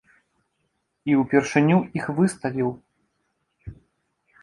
І ўпершыню іх выставіў.